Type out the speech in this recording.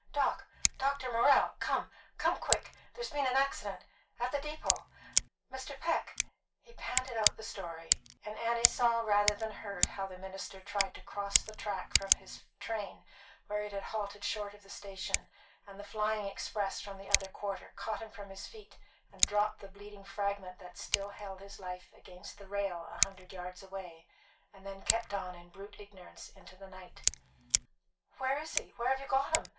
"Doc Doctor Morrell, come come quick! There's been an accident at the depot. Mr. Peck " He panted out the story, and Annie saw rather than heard how the minister tried to cross the track from his train, where it had halted short of the station, and the flying express from the other quarter caught him from his feet, and dropped the bleeding fragment that still held his life beside the rail a hundred yards away, and then kept on in brute ignorance into the night. "Where is he? Where have you got him?"